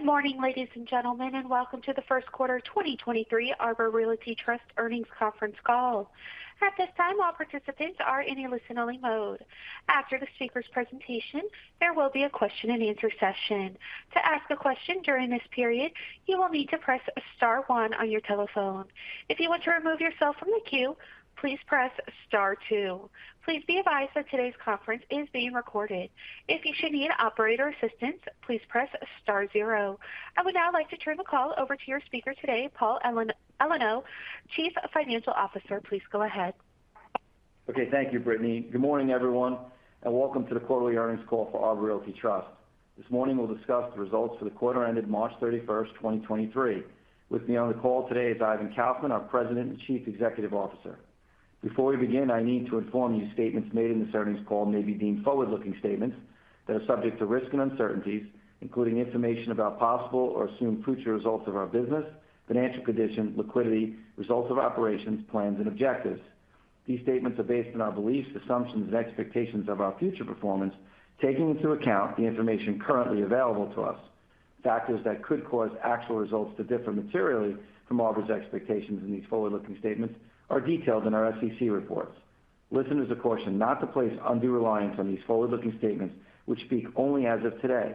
Good morning, ladies and gentlemen, and welcome to the 1st quarter 2023 Arbor Realty Trust Earnings Conference Call. At this time, all participants are in a listen only mode. After the speaker's presentation, there will be a question and answer session. To ask a question during this period, you will need to press star 1 on your telephone. If you want to remove yourself from the queue, please press star 2. Please be advised that today's conference is being recorded. If you should need operator assistance, please press star 0. I would now like to turn the call over to your speaker today, Paul Elenio, Chief Financial Officer. Please go ahead. Okay, thank you, Brittany. Good morning, everyone, welcome to the quarterly earnings call for Arbor Realty Trust. This morning we'll discuss the results for the quarter ended March 31st, 2023. With me on the call today is Ivan Kaufman, our President and Chief Executive Officer. Before we begin, I need to inform you statements made in this earnings call may be deemed forward-looking statements that are subject to risk and uncertainties, including information about possible or assumed future results of our business, financial condition, liquidity, results of operations, plans, and objectives. These statements are based on our beliefs, assumptions, and expectations of our future performance, taking into account the information currently available to us. Factors that could cause actual results to differ materially from Arbor's expectations in these forward-looking statements are detailed in our SEC reports. Listeners are cautioned not to place undue reliance on these forward-looking statements which speak only as of today.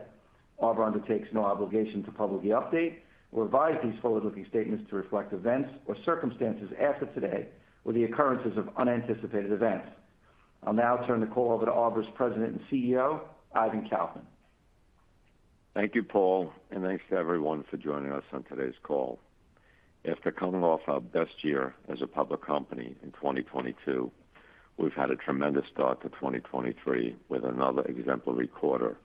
Arbor undertakes no obligation to publicly update or revise these forward-looking statements to reflect events or circumstances after today or the occurrences of unanticipated events. I'll now turn the call over to Arbor's President and CEO, Ivan Kaufman. Thank you, Paul, thanks to everyone for joining us on today's call. After coming off our best year as a public company in 2022, we've had a tremendous start to 2023 with another exemplary quarter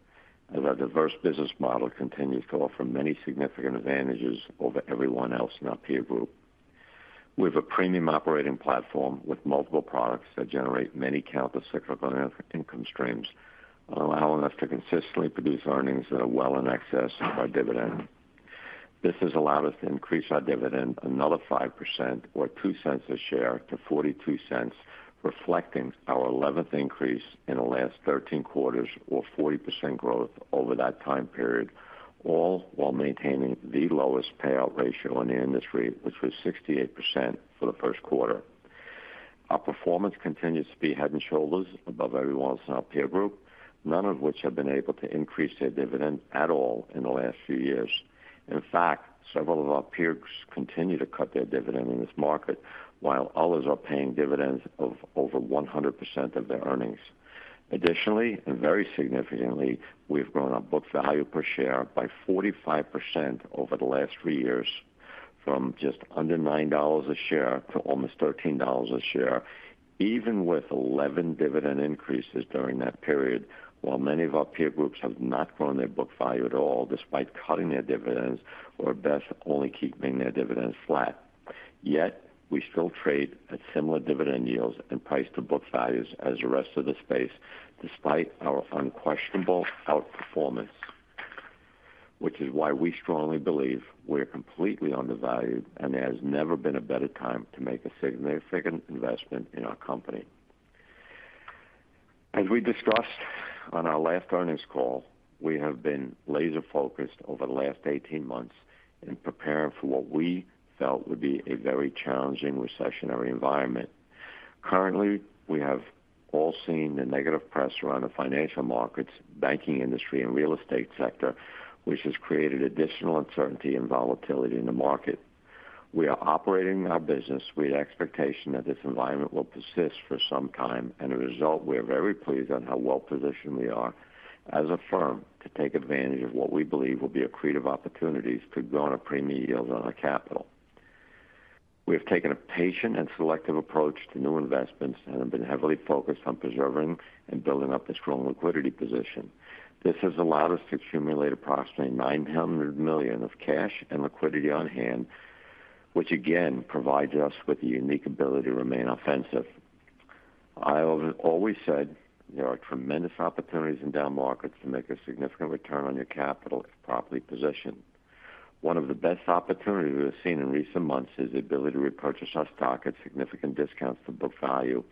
as our diverse business model continues to offer many significant advantages over everyone else in our peer group. We have a premium operating platform with multiple products that generate many countercyclical and income streams, allowing us to consistently produce earnings that are well in excess of our dividend. This has allowed us to increase our dividend another 5% or $0.02 a share to $0.42, reflecting our 11th increase in the last 13 quarters or 40% growth over that time period, all while maintaining the lowest payout ratio in the industry, which was 68% for the first quarter. Our performance continues to be head and shoulders above everyone else in our peer group, none of which have been able to increase their dividend at all in the last few years. In fact, several of our peers continue to cut their dividend in this market, while others are paying dividends of over 100% of their earnings. Additionally, and very significantly, we've grown our book value per share by 45% over the last three years from just under $9 a share to almost $13 a share, even with 11 dividend increases during that period. While many of our peer groups have not grown their book value at all despite cutting their dividends or best only keeping their dividends flat. We still trade at similar dividend yields and price to book values as the rest of the space despite our unquestionable outperformance, which is why we strongly believe we're completely undervalued and there has never been a better time to make a significant investment in our company. As we discussed on our last earnings call, we have been laser focused over the last 18 months in preparing for what we felt would be a very challenging recessionary environment. Currently, we have all seen the negative press around the financial markets, banking industry, and real estate sector, which has created additional uncertainty and volatility in the market. We are operating our business with expectation that this environment will persist for some time, and a result, we are very pleased on how well positioned we are as a firm to take advantage of what we believe will be accretive opportunities to grow on a premium yield on our capital. We have taken a patient and selective approach to new investments and have been heavily focused on preserving and building up a strong liquidity position. This has allowed us to accumulate approximately $900 million of cash and liquidity on hand, which again provides us with the unique ability to remain offensive. I have always said there are tremendous opportunities in down markets to make a significant return on your capital if properly positioned. One of the best opportunities we have seen in recent months is the ability to repurchase our stock at significant discounts to book value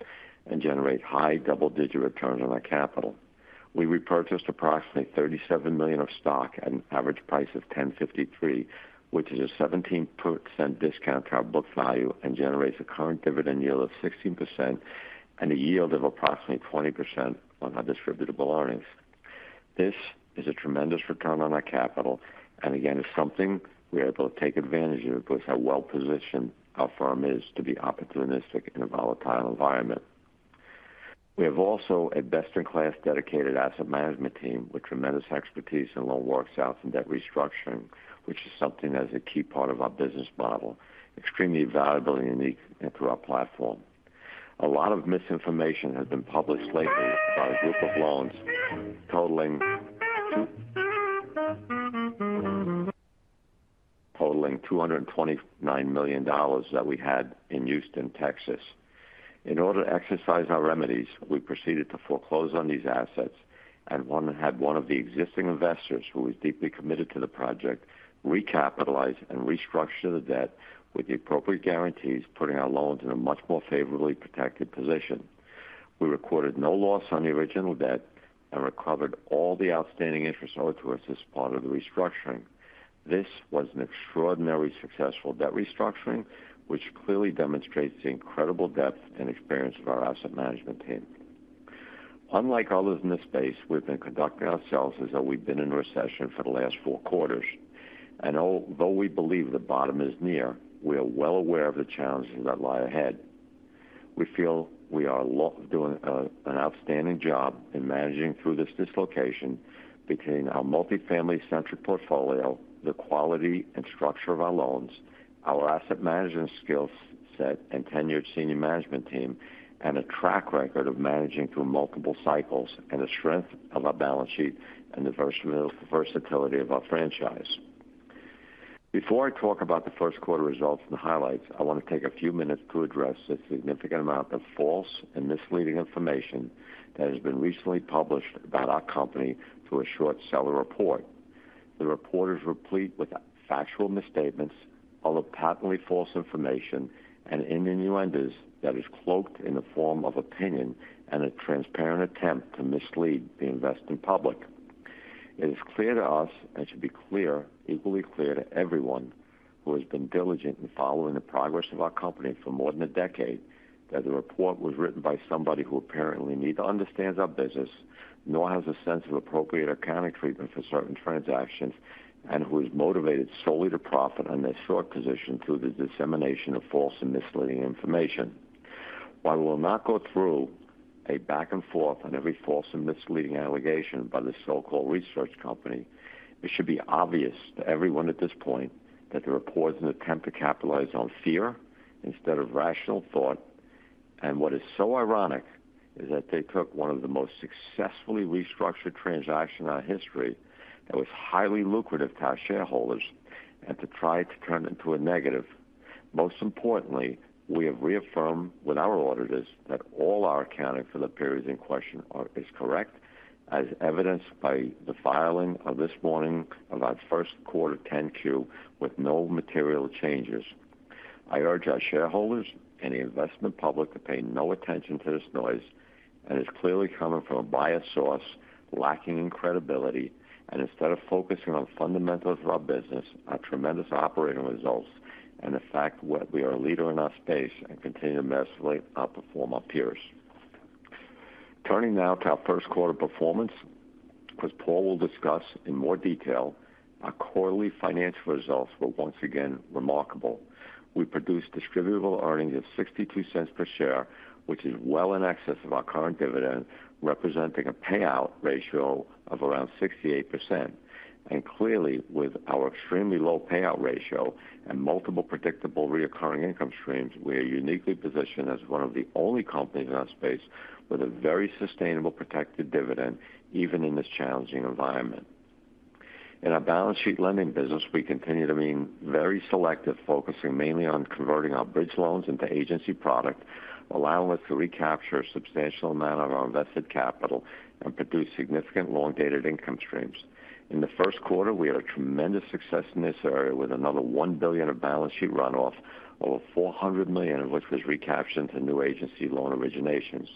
and generate high double-digit returns on our capital. We repurchased approximately $37 million of stock at an average price of $10.53, which is a 17% discount to our book value and generates a current dividend yield of 16% and a yield of approximately 20% on our distributable earnings. This is a tremendous return on our capital and again is something we are able to take advantage of because how well positioned our firm is to be opportunistic in a volatile environment. We have also a best in class dedicated asset management team with tremendous expertise in loan workouts and debt restructuring, which is something that is a key part of our business model, extremely valuable and unique into our platform. A lot of misinformation has been published lately about a group of loans totaling $229 million that we had in Houston, Texas. In order to exercise our remedies, we proceeded to foreclose on these assets, had one of the existing investors who was deeply committed to the project recapitalize and restructure the debt with the appropriate guarantees, putting our loans in a much more favorably protected position. We recorded no loss on the original debt. We recovered all the outstanding interest owed to us as part of the restructuring. This was an extraordinarily successful debt restructuring, which clearly demonstrates the incredible depth and experience of our asset management team. Unlike others in this space, we've been conducting ourselves as though we've been in a recession for the last four quarters. Although we believe the bottom is near, we are well aware of the challenges that lie ahead. We feel we are doing an outstanding job in managing through this dislocation between our multifamily-centric portfolio, the quality and structure of our loans, our asset management skill set and tenured senior management team, and a track record of managing through multiple cycles, and the strength of our balance sheet and the versatility of our franchise. Before I talk about the first quarter results and the highlights, I want to take a few minutes to address the significant amount of false and misleading information that has been recently published about our company through a short seller report. The report is replete with factual misstatements, other patently false information, and innuendos that is cloaked in the form of opinion and a transparent attempt to mislead the investing public. It is clear to us, and should be clear, equally clear to everyone who has been diligent in following the progress of our company for more than a decade, that the report was written by somebody who apparently neither understands our business, nor has a sense of appropriate accounting treatment for certain transactions, and who is motivated solely to profit on their short position through the dissemination of false and misleading information. While we'll not go through a back and forth on every false and misleading allegation by the so-called research company, it should be obvious to everyone at this point that the report is an attempt to capitalize on fear instead of rational thought. What is so ironic is that they took one of the most successfully restructured transaction in our history that was highly lucrative to our shareholders and to try to turn it into a negative. Most importantly, we have reaffirmed with our auditors that all our accounting for the periods in question is correct, as evidenced by the filing of this morning of our first quarter 10-Q with no material changes. I urge our shareholders and the investment public to pay no attention to this noise. It's clearly coming from a biased source lacking in credibility. Instead of focusing on fundamentals of our business, our tremendous operating results, and the fact we are a leader in our space and continue to massively outperform our peers. Turning now to our first quarter performance, as Paul will discuss in more detail, our quarterly financial results were once again remarkable. We produced distributable earnings of $0.62 per share, which is well in excess of our current dividend, representing a payout ratio of around 68%. Clearly, with our extremely low payout ratio and multiple predictable recurring income streams, we are uniquely positioned as one of the only companies in our space with a very sustainable protected dividend, even in this challenging environment. In our balance sheet lending business, we continue to be very selective, focusing mainly on converting our bridge loans into agency product, allowing us to recapture a substantial amount of our invested capital and produce significant long-dated income streams. In the first quarter, we had a tremendous success in this area with another $1 billion of balance sheet runoff, over $400 million of which was recaptured into new agency loan originations.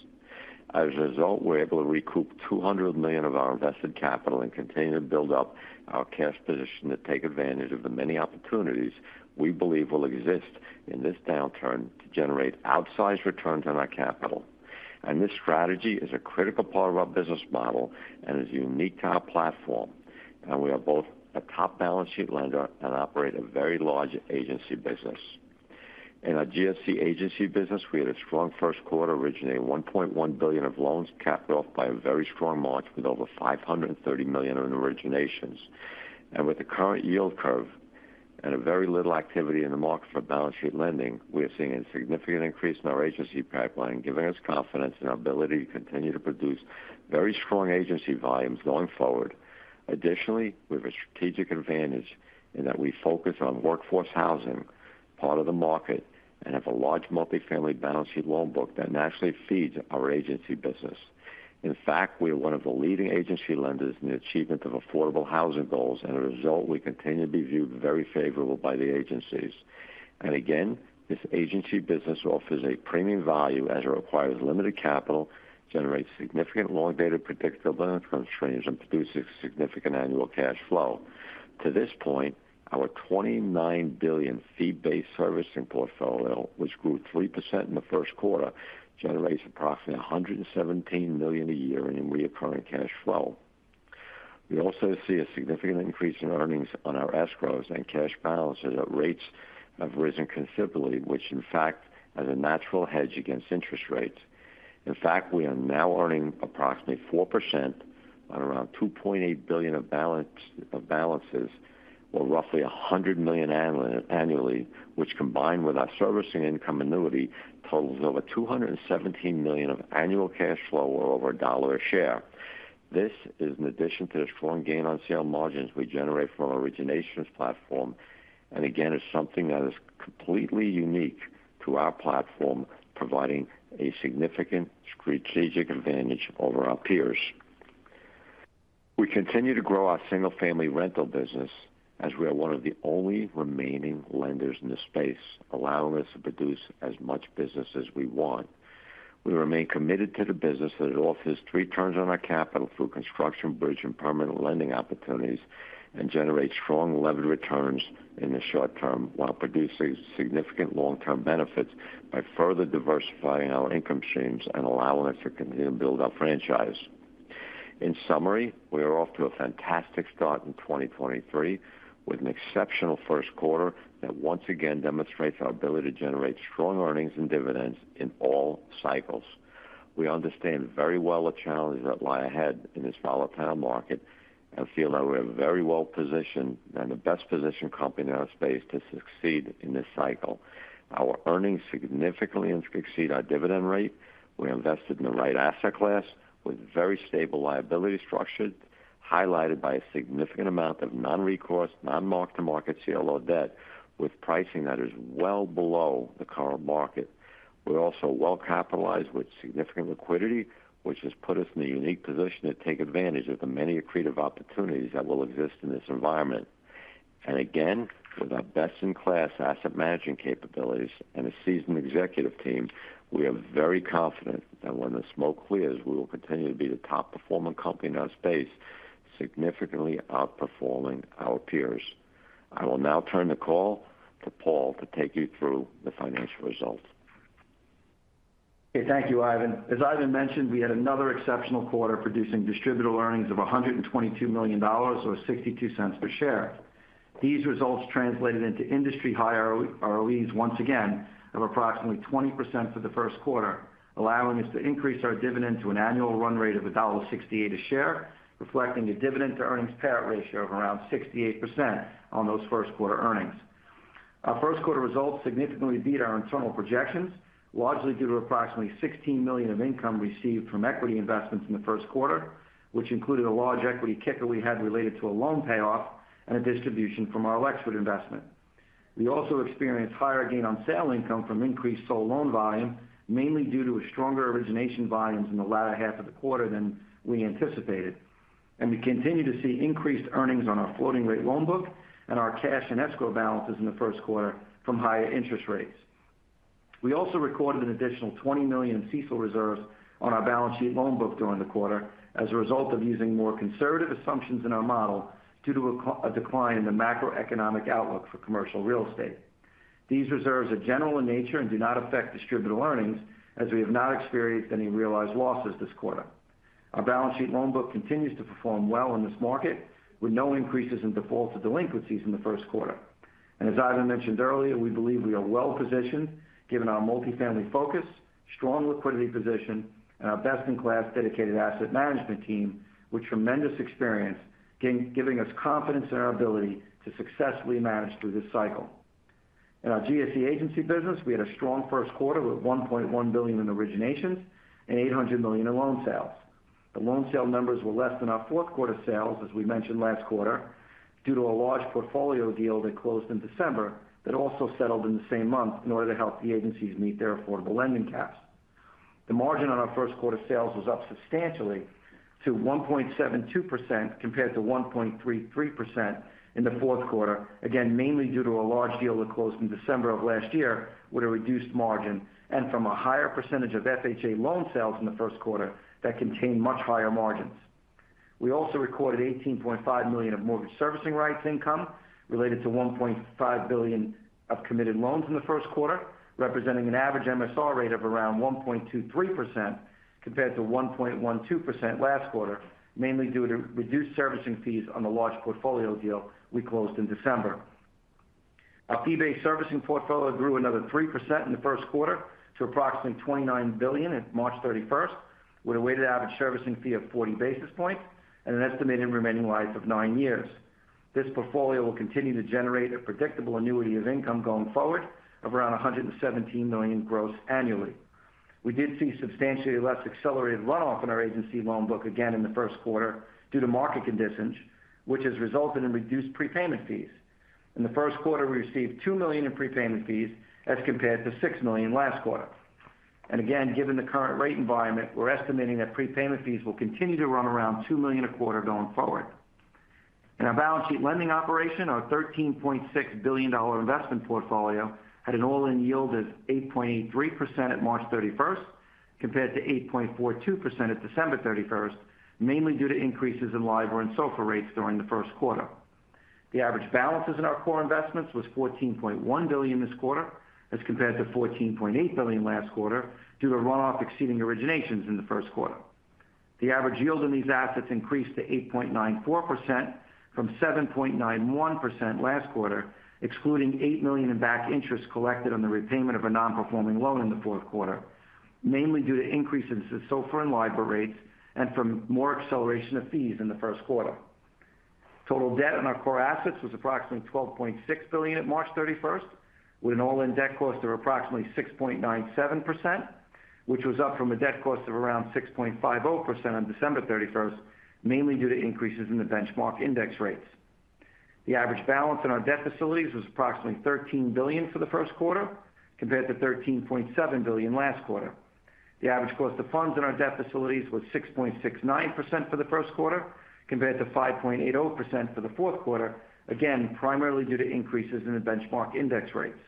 As a result, we're able to recoup $200 million of our invested capital and continue to build up our cash position to take advantage of the many opportunities we believe will exist in this downturn to generate outsized returns on our capital. This strategy is a critical part of our business model and is unique to our platform. We are both a top balance sheet lender and operate a very large agency business. In our GSE agency business, we had a strong first quarter originating $1.1 billion of loans capped off by a very strong March with over $530 million in originations. With the current yield curve and a very little activity in the market for balance sheet lending, we are seeing a significant increase in our Agency pipeline, giving us confidence in our ability to continue to produce very strong Agency volumes going forward. Additionally, we have a strategic advantage in that we focus on workforce housing, part of the market, and have a large multifamily balance sheet loan book that naturally feeds our Agency business. In fact, we are one of the leading Agency lenders in the achievement of affordable housing goals, and a result, we continue to be viewed very favorably by the Agencies. Again, this Agency business offers a premium value as it requires limited capital, generates significant long-dated predictable income streams, and produces significant annual cash flow. To this point, our $29 billion fee-based servicing portfolio, which grew 3% in the first quarter, generates approximately $117 million a year in recurring cash flow. We also see a significant increase in earnings on our escrows and cash balances as rates have risen considerably, which in fact is a natural hedge against interest rates. In fact, we are now earning approximately 4% on around $2.8 billion of balances, or roughly $100 million annually, which combined with our servicing income annuity, totals over $217 million of annual cash flow or over $1 a share. This is in addition to the strong gain on sale margins we generate from our originations platform, and again, is something that is completely unique to our platform, providing a significant strategic advantage over our peers. We continue to grow our single-family rental business as we are one of the only remaining lenders in this space, allowing us to produce as much business as we want. We remain committed to the business that it offers three turns on our capital through construction, bridge, and permanent lending opportunities and generates strong levered returns in the short term while producing significant long-term benefits by further diversifying our income streams and allowing us to continue to build our franchise. In summary, we are off to a fantastic start in 2023 with an exceptional first quarter that once again demonstrates our ability to generate strong earnings and dividends in all cycles. We understand very well the challenges that lie ahead in this volatile market and feel that we are very well-positioned and the best-positioned company in our space to succeed in this cycle. Our earnings significantly exceed our dividend rate. We invested in the right asset class with very stable liability structures, highlighted by a significant amount of non-recourse, non-mark-to-market CLO debt with pricing that is well below the current market. We're also well capitalized with significant liquidity, which has put us in a unique position to take advantage of the many accretive opportunities that will exist in this environment. Again, with our best-in-class asset management capabilities and a seasoned executive team, we are very confident that when the smoke clears, we will continue to be the top-performing company in our space, significantly outperforming our peers. I will now turn the call to Paul to take you through the financial results. Thank you, Ivan. As Ivan mentioned, we had another exceptional quarter producing distributable earnings of $122 million or $0.62 per share. These results translated into industry-high ROEs once again of approximately 20% for the first quarter, allowing us to increase our dividend to an annual run rate of $1.68 a share, reflecting a dividend to earnings payout ratio of around 68% on those first quarter earnings. Our first quarter results significantly beat our internal projections, largely due to approximately $16 million of income received from equity investments in the first quarter, which included a large equity kicker we had related to a loan payoff and a distribution from our Lexford investment. We also experienced higher gain on sale income from increased sold loan volume, mainly due to a stronger origination volumes in the latter half of the quarter than we anticipated. We continue to see increased earnings on our floating rate loan book and our cash and escrow balances in the first quarter from higher interest rates. We also recorded an additional $20 million in CECL reserves on our balance sheet loan book during the quarter as a result of using more conservative assumptions in our model due to a decline in the macroeconomic outlook for commercial real estate. These reserves are general in nature and do not affect distributable earnings, as we have not experienced any realized losses this quarter. Our balance sheet loan book continues to perform well in this market, with no increases in defaults or delinquencies in the first quarter. As Ivan mentioned earlier, we believe we are well positioned given our multifamily focus, strong liquidity position, and our best-in-class dedicated asset management team with tremendous experience giving us confidence in our ability to successfully manage through this cycle. In our GSE agency business, we had a strong first quarter with $1.1 billion in originations and $800 million in loan sales. The loan sale numbers were less than our fourth quarter sales, as we mentioned last quarter, due to a large portfolio deal that closed in December that also settled in the same month in order to help the agencies meet their affordable lending caps. The margin on our first quarter sales was up substantially to 1.72% compared to 1.33% in the fourth quarter, again, mainly due to a large deal that closed in December of last year with a reduced margin and from a higher percentage of FHA loan sales in the first quarter that contained much higher margins. We also recorded $18.5 million of mortgage servicing rights income related to $1.5 billion of committed loans in the first quarter, representing an average MSR rate of around 1.23% compared to 1.12% last quarter, mainly due to reduced servicing fees on the large portfolio deal we closed in December. Our fee-based servicing portfolio grew another 3% in the first quarter to approximately $29 billion at March 31st, with a weighted average servicing fee of 40 basis points and an estimated remaining life of nine years. This portfolio will continue to generate a predictable annuity of income going forward of around $117 million gross annually. We did see substantially less accelerated runoff in our agency loan book again in the first quarter due to market conditions, which has resulted in reduced prepayment fees. In the first quarter, we received $2 million in prepayment fees as compared to $6 million last quarter. Again, given the current rate environment, we're estimating that prepayment fees will continue to run around $2 million a quarter going forward. In our balance sheet lending operation, our $13.6 billion investment portfolio had an all-in yield of 8.83% at March 31st compared to 8.42% at December 31st, mainly due to increases in LIBOR and SOFR rates during the first quarter. The average balances in our core investments was $14.1 billion this quarter as compared to $14.8 billion last quarter due to runoff exceeding originations in the first quarter. The average yield on these assets increased to 8.94% from 7.91% last quarter, excluding $8 million in back interest collected on the repayment of a non-performing loan in the fourth quarter, mainly due to increases in SOFR and LIBOR rates and from more acceleration of fees in the first quarter. Total debt on our core assets was approximately $12.6 billion at March 31st, with an all-in debt cost of approximately 6.97%, which was up from a debt cost of around 6.50% on December 31st, mainly due to increases in the benchmark index rates. The average balance in our debt facilities was approximately $13 billion for the first quarter compared to $13.7 billion last quarter. The average cost of funds in our debt facilities was 6.69% for the first quarter compared to 5.80% for the fourth quarter, again, primarily due to increases in the benchmark index rates.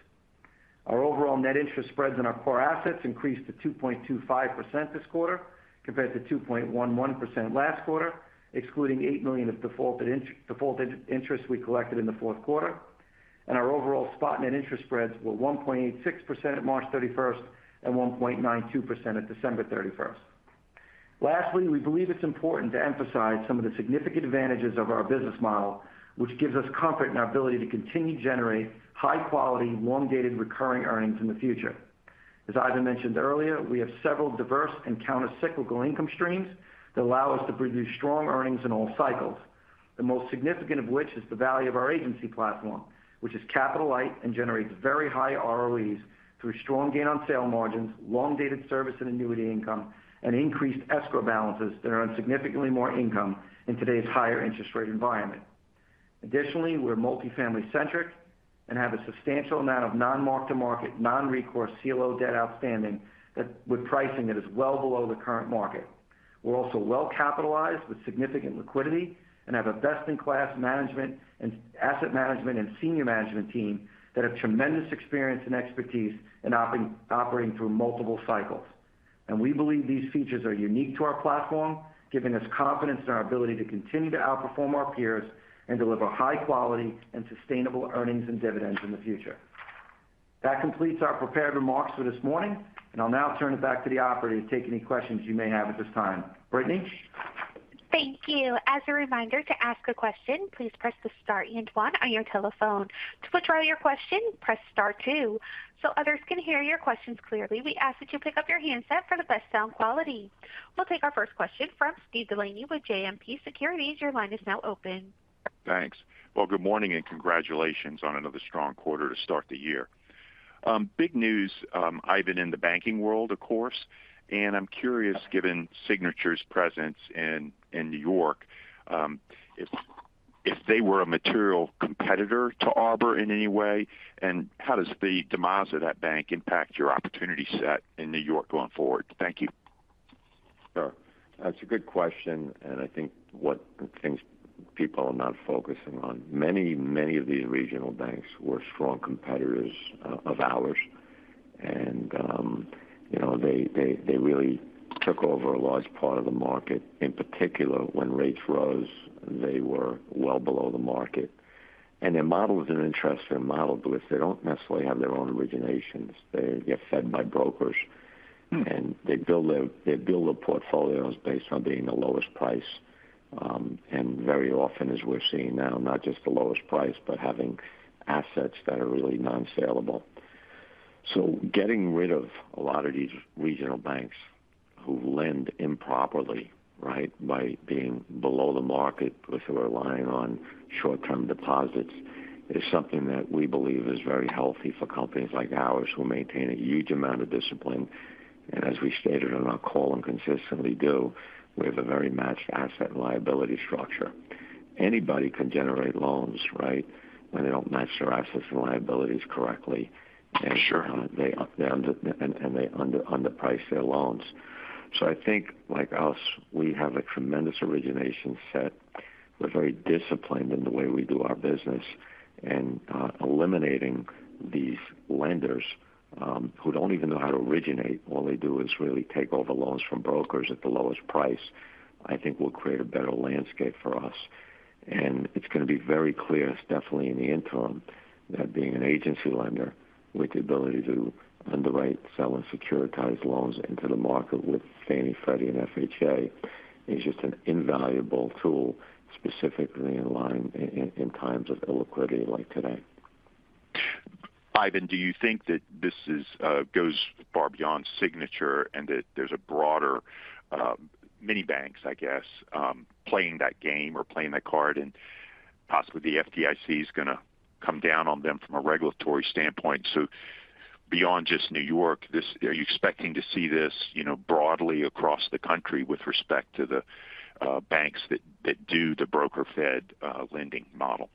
Our overall net interest spreads in our core assets increased to 2.25% this quarter compared to 2.11% last quarter, excluding $8 million of defaulted interest we collected in the fourth quarter. Our overall spot net interest spreads were 1.86% at March 31st and 1.92% at December 31st. Lastly, we believe it's important to emphasize some of the significant advantages of our business model, which gives us comfort in our ability to continue to generate high-quality, long-dated recurring earnings in the future. As Ivan mentioned earlier, we have several diverse and countercyclical income streams that allow us to produce strong earnings in all cycles, the most significant of which is the value of our agency platform, which is capital light and generates very high ROEs through strong gain on sale margins, long-dated service and annuity income, and increased escrow balances that are on significantly more income in today's higher interest rate environment. Additionally, we're multifamily centric and have a substantial amount of non-mark-to-market, non-recourse CLO debt outstanding with pricing that is well below the current market. We're also well capitalized with significant liquidity and have a best-in-class asset management and senior management team that have tremendous experience and expertise in operating through multiple cycles. We believe these features are unique to our platform, giving us confidence in our ability to continue to outperform our peers and deliver high quality and sustainable earnings and dividends in the future. That completes our prepared remarks for this morning, and I'll now turn it back to the Operator to take any questions you may have at this time. Brittany? Thank you. As a reminder, to ask a question, please press the star and one on your telephone. To withdraw your question, press star two. Others can hear your questions clearly, we ask that you pick up your handset for the best sound quality. We'll take our first question from Steven DeLaney with JMP Securities. Your line is now open. Thanks. Well, good morning. Congratulations on another strong quarter to start the year. Big news, Ivan, in the banking world, of course. I'm curious, given Signature Bank's presence in New York, if they were a material competitor to Arbor in any way, and how does the demise of that bank impact your opportunity set in New York going forward? Thank you. Sure. That's a good question, and I think one of the things people are not focusing on. Many, many of these regional banks were strong competitors of ours. You know, they really took over a large part of the market. In particular, when rates rose, they were well below the market. Their model is an interesting model because they don't necessarily have their own originations. They get fed by brokers. Hmm. They build their portfolios based on being the lowest price. Very often, as we're seeing now, not just the lowest price, but having assets that are really non-saleable. Getting rid of a lot of these regional banks who lend improperly, right, by being below the market with relying on short-term deposits is something that we believe is very healthy for companies like ours, who maintain a huge amount of discipline. As we stated on our call and consistently do, we have a very matched asset and liability structure. Anybody can generate loans, right, when they don't match their assets and liabilities correctly. Sure. They underprice their loans. I think, like us, we have a tremendous origination set. We're very disciplined in the way we do our business. Eliminating these lenders, who don't even know how to originate, all they do is really take all the loans from brokers at the lowest price, I think will create a better landscape for us. It's going to be very clear, definitely in the interim, that being an agency lender with the ability to underwrite, sell, and securitize loans into the market with Fannie, Freddie, and FHA is just an invaluable tool, specifically in times of illiquidity like today. Ivan, do you think that this is goes far beyond Signature and that there's a broader, mini banks, I guess, playing that game or playing that card and possibly the FDIC is gonna come down on them from a regulatory standpoint? Beyond just New York, are you expecting to see this, you know, broadly across the country with respect to the banks that do the broker-fed, lending model?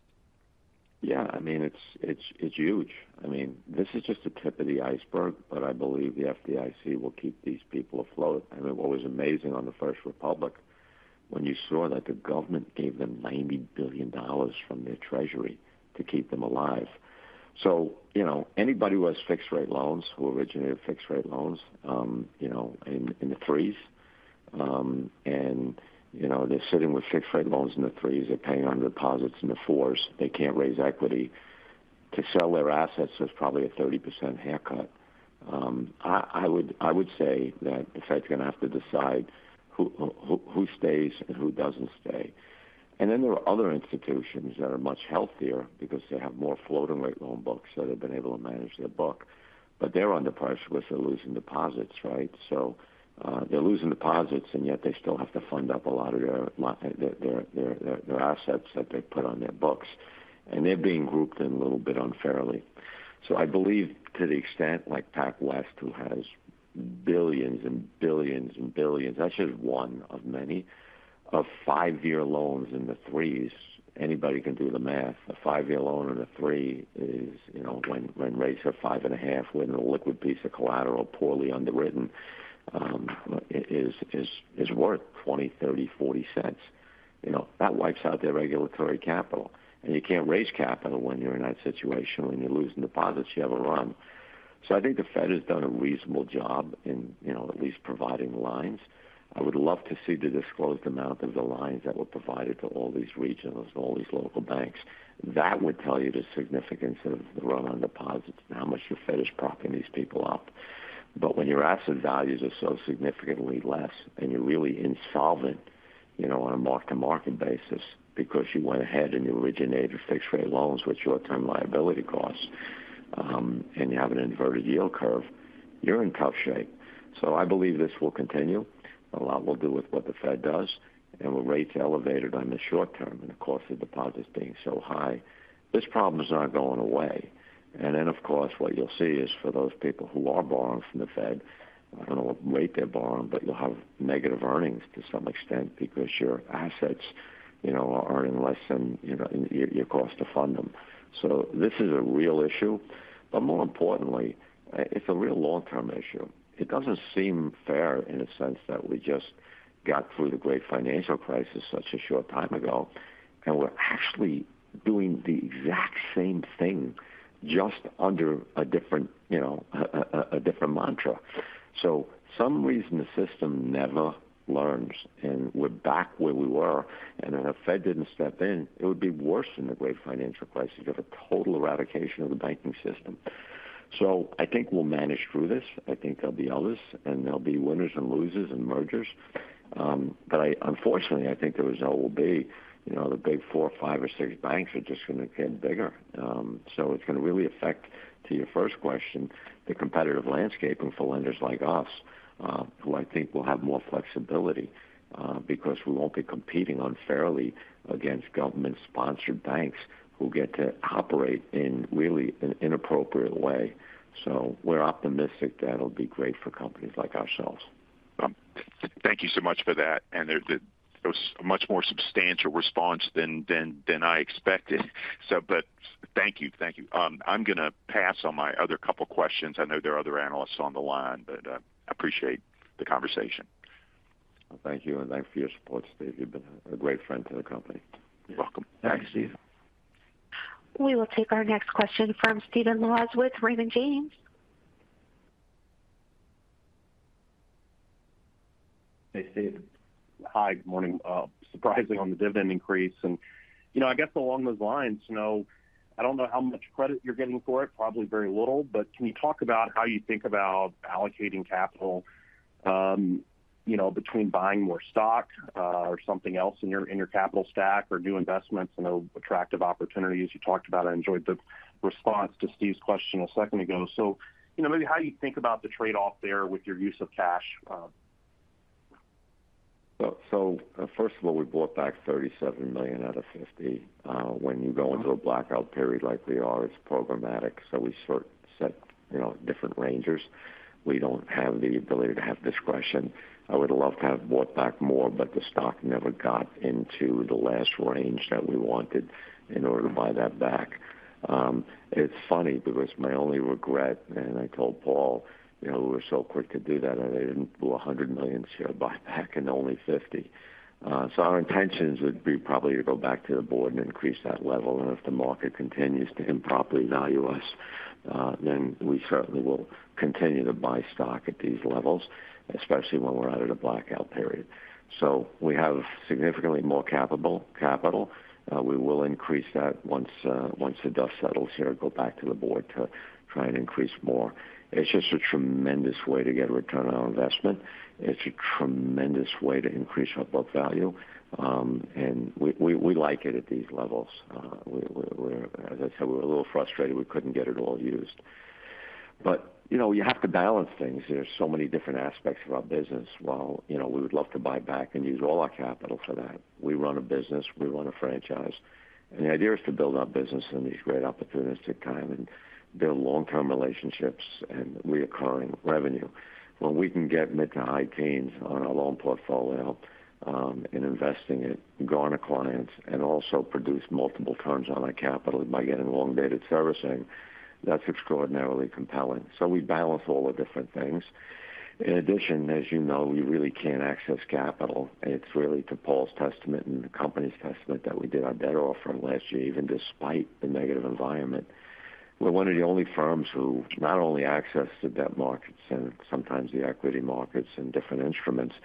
Yeah. I mean, it's huge. I mean, this is just the tip of the iceberg, but I believe the FDIC will keep these people afloat. I mean, what was amazing on the First Republic, when you saw that the government gave them $90 billion from their treasury to keep them alive. you know, anybody who has fixed rate loans, who originated fixed rate loans, you know, in the 3 s, and, you know, they're sitting with fixed rate loans in the 3 s. They're paying on deposits in the 4 s. They can't raise equity. To sell their assets is probably a 30% haircut. I would say that the Fed's gonna have to decide who stays and who doesn't stay. There are other institutions that are much healthier because they have more floating rate loan books, they've been able to manage their book. They're under pressure with losing deposits, right? They're losing deposits, and yet they still have to fund up a lot of their assets that they put on their books. They're being grouped in a little bit unfairly. I believe to the extent, like PacWest, who has billions and billions and billions, that's just one of many. Of five-year loans in the 3 s. Anybody can do the math. A five-year loan in a 3 s, you know, when rates are 5.5 with a liquid piece of collateral, poorly underwritten, is worth $0.20, $0.30, $0.40. You know, that wipes out their regulatory capital. You can't raise capital when you're in that situation, when you're losing deposits, you have a run. I think the Fed has done a reasonable job in, you know, at least providing lines. I would love to see the disclosed amount of the lines that were provided to all these regionals and all these local banks. That would tell you the significance of the run on deposits and how much the Fed is propping these people up. When your asset values are so significantly less and you're really insolvent, you know, on a mark-to-market basis because you went ahead and you originated fixed rate loans with short-term liability costs, and you have an inverted yield curve, you're in tough shape. I believe this will continue. A lot will do with what the Fed does, and with rates elevated on the short term and the cost of deposits being so high, this problem is not going away. Of course what you'll see is for those people who are borrowing from the Fed, I don't know what rate they're borrowing, but you'll have negative earnings to some extent because your assets, you know, are earning less than, you know, your cost to fund them. This is a real issue, but more importantly, it's a real long-term issue. It doesn't seem fair in a sense that we just got through the great financial crisis such a short time ago, and we're actually doing the exact same thing just under a different, you know, a different mantra. Some reason the system never learns, and we're back where we were, and if the Fed didn't step in, it would be worse than the great financial crisis. You have a total eradication of the banking system. I think we'll manage through this. I think there'll be others, and there'll be winners and losers and mergers. But unfortunately, I think the result will be, you know, the big four or five or six banks are just gonna get bigger. It's gonna really affect, to your first question, the competitive landscaping for lenders like us, who I think will have more flexibility, because we won't be competing unfairly against government-sponsored banks who get to operate in really an inappropriate way. We're optimistic that'll be great for companies like ourselves. Thank you so much for that. It was a much more substantial response than I expected. Thank you. Thank you. I'm gonna pass on my other couple questions. I know there are other analysts on the line, but appreciate the conversation. Thank you, and thanks for your support, Steve. You've been a great friend to the company. You're welcome. Thanks, Steve. We will take our next question from Stephen Laws with Raymond James. Hey, Steve. Hi. Good morning. Surprising on the dividend increase and, you know, I guess along those lines, you know, I don't know how much credit you're getting for it, probably very little, but can you talk about how you think about allocating capital, you know, between buying more stock, or something else in your capital stack or new investments, you know, attractive opportunities you talked about? I enjoyed the response to Steve's question a second ago. You know, maybe how you think about the trade-off there with your use of cash? First of all, we bought back $37 million out of $50 million. When you go into a blackout period like we are, it's programmatic, so we sort set, you know, different ranges. We don't have the ability to have discretion. I would love to have bought back more, but the stock never got into the last range that we wanted in order to buy that back. It's funny because my only regret, and I told Paul, you know, we were so quick to do that, and they didn't do a $100 million share buyback and only $50 million. Our intentions would be probably to go back to the board and increase that level, and if the market continues to improperly value us, then we certainly will continue to buy stock at these levels, especially when we're out of the blackout period. We have significantly more capital. We will increase that once once the dust settles here, go back to the board to try and increase more. It's just a tremendous way to get a return on our investment. It's a tremendous way to increase our book value. We like it at these levels. We're, as I said, we're a little frustrated we couldn't get it all used. You know, you have to balance things. There's so many different aspects of our business. While, you know, we would love to buy back and use all our capital for that, we run a business, we run a franchise, and the idea is to build our business in these great opportunistic time and build long-term relationships and reoccurring revenue. When we can get mid-to-high teens on our loan portfolio, and investing it, garner clients, and also produce multiple turns on our capital by getting elongated servicing, that's extraordinarily compelling. We balance all the different things. In addition, as you know, we really can't access capital. It's really to Paul's testament and the company's testament that we did our debt offering last year, even despite the negative environment. We're one of the only firms who not only access the debt markets and sometimes the equity markets and different instruments,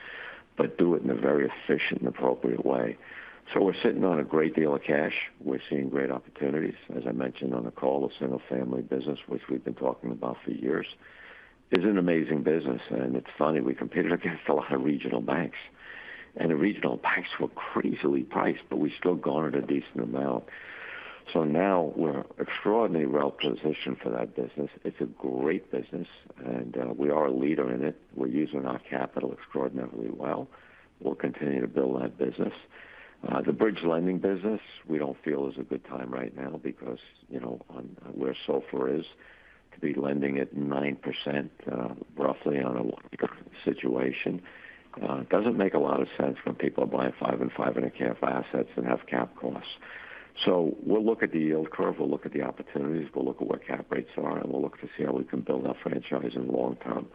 but do it in a very efficient and appropriate way. We're sitting on a great deal of cash. We're seeing great opportunities. As I mentioned on the call, the single-family business, which we've been talking about for years, is an amazing business. It's funny, we competed against a lot of regional banks, and the regional banks were crazily priced, but we still garnered a decent amount. Now we're extraordinarily well positioned for that business. It's a great business, and we are a leader in it. We're using our capital extraordinarily well. We'll continue to build that business. The bridge lending business we don't feel is a good time right now because, you know, on where SOFR is to be lending at 9%, roughly on a situation, doesn't make a lot of sense when people are buying five and 5.5 assets that have cap costs. We'll look at the yield curve, we'll look at the opportunities, we'll look at what cap rates are, and we'll look to see how we can build our franchise in the long term.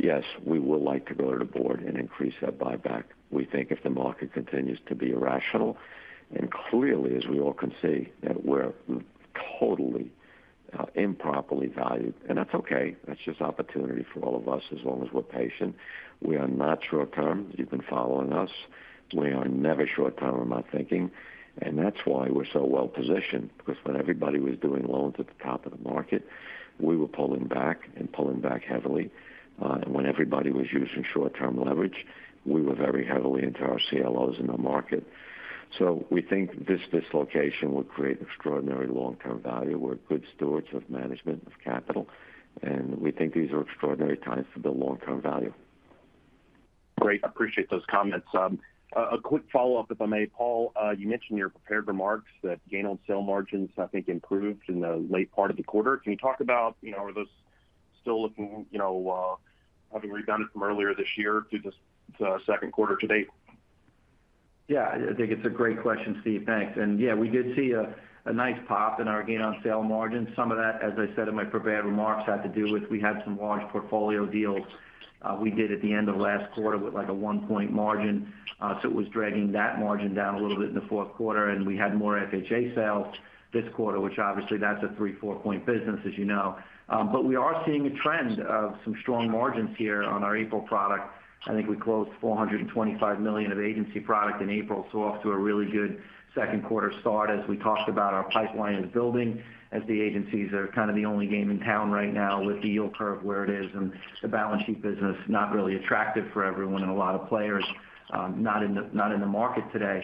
Yes, we would like to go to board and increase that buyback. We think if the market continues to be irrational and clearly, as we all can see, that we're totally improperly valued, and that's okay. That's just opportunity for all of us as long as we're patient. We are not short term. You've been following us. We are never short term in our thinking, and that's why we're so well positioned, because when everybody was doing loans at the top of the market, we were pulling back and pulling back heavily. When everybody was using short-term leverage, we were very heavily into our CLOs in the market. We think this dislocation will create extraordinary long-term value. We're good stewards of management of capital, and we think these are extraordinary times to build long-term value. Great. Appreciate those comments. A quick follow-up, if I may. Paul, you mentioned your prepared remarks that gain on sale margins, I think, improved in the late part of the quarter. Can you talk about, you know, are those still looking, you know, having redone it from earlier this year through this, second quarter to date? Yeah, I think it's a great question, Steve. Thanks. Yeah, we did see a nice pop in our gain on sale margin. Some of that, as I said in my prepared remarks, had to do with we had some large portfolio deals we did at the end of last quarter with, like, a one-point margin. It was dragging that margin down a little bit in the fourth quarter, and we had more FHA sales this quarter, which obviously that's a three, four-point business, as you know. We are seeing a trend of some strong margins here on our April product. I think we closed $425 million of agency product in April. Off to a really good second quarter start. As we talked about, our pipeline is building as the agencies are kind of the only game in town right now with the yield curve where it is, and the balance sheet business not really attractive for everyone and a lot of players, not in the market today.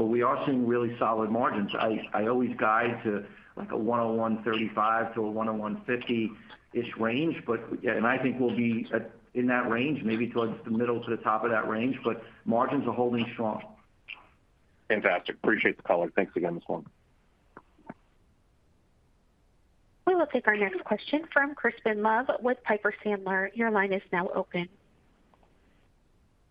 We are seeing really solid margins. I always guide to, like, a 1.35%-1.50%-ish range. Yeah, I think we'll be in that range, maybe towards the middle to the top of that range, but margins are holding strong. Fantastic. Appreciate the color. Thanks again, this one. We will take our next question from Crispin Love with Piper Sandler. Your line is now open.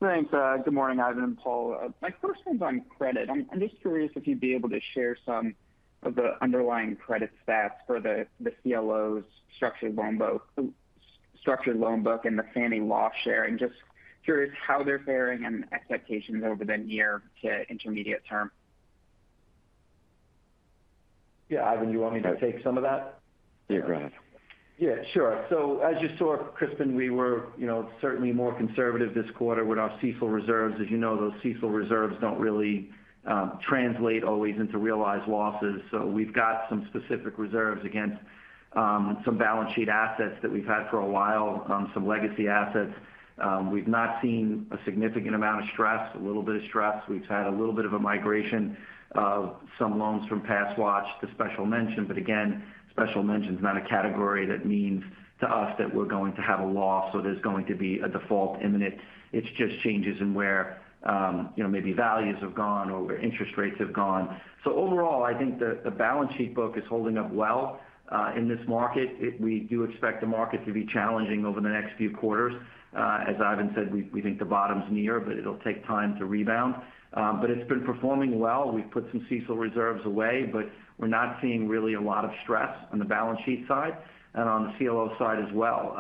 Thanks. Good morning, Ivan and Paul. My first one's on credit. I'm just curious if you'd be able to share some of the underlying credit stats for the CLOs structured loan book and the Fannie loss share, and just curious how they're faring and expectations over the near to intermediate term. Yeah. Ivan, you want me to take some of that? Yeah, go ahead. Yeah, sure. As you saw, Crispin, we were, you know, certainly more conservative this quarter with our CECL reserves. As you know, those CECL reserves don't really translate always into realized losses. We've got some specific reserves against some balance sheet assets that we've had for a while, some legacy assets. We've not seen a significant amount of stress, a little bit of stress. We've had a little bit of a migration of some loans from past watch to special mention. Again, special mention is not a category that means to us that we're going to have a loss or there's going to be a default imminent. It's just changes in where, you know, maybe values have gone or where interest rates have gone. Overall, I think the balance sheet book is holding up well in this market. We do expect the market to be challenging over the next few quarters. As Ivan said, we think the bottom's near, but it'll take time to rebound. It's been performing well. We've put some CECL reserves away, but we're not seeing really a lot of stress on the balance sheet side and on the CLO side as well.